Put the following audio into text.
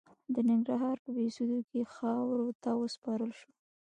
د ننګرهار په بهسودو کې خاورو ته وسپارل شو.